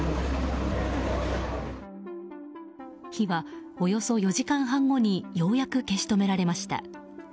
火はおよそ４時間半後にようやく消し止められました。